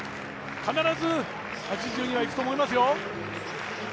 必ず８２はいくと思いますよ。